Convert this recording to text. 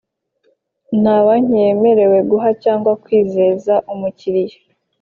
Nta banki yemerewe guha cyangwa kwizeza umukiriya